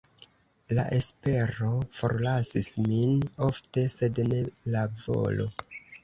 La espero forlasis min ofte, sed ne la volo.